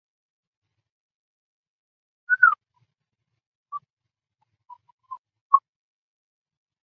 内阁会议以商务受阻及大英子民生命受到威胁为理由派遣舰队。